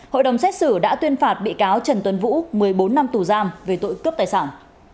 hội đồng xét xử đã tuyên phạt bị cáo trần tuấn vũ một mươi bốn năm tù giam về tội cướp tài sản